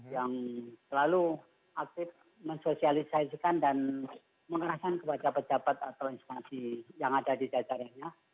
yang selalu aktif mensosialisasikan dan mengarahkan kepada pejabat atau instansi yang ada di jajarannya